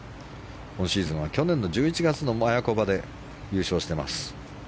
今シーズンは去年の１１月のマヤコバで優勝しています。